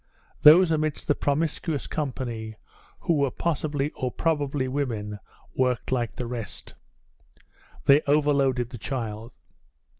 Those amidst the promiscuous company who were possibly or probably women worked like the rest. They overloaded the child.